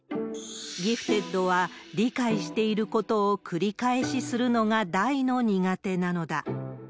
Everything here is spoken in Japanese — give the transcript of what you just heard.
ギフテッドは理解していることを繰り返しするのが大の苦手なのだ。